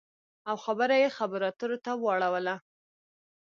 او خبره یې خبرو اترو ته واړوله